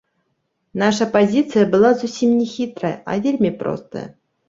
Наша пазіцыя была зусім не хітрая, а вельмі простая.